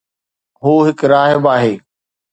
هو هڪ راهب آهي